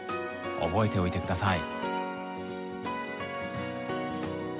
覚えておいて下さい。